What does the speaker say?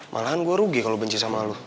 malahan gue rugi kalo benci sama lo